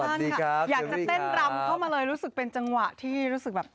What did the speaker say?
นั่นค่ะอยากจะเต้นรำเข้ามาเลยรู้สึกเป็นจังหวะที่รู้สึกแบบ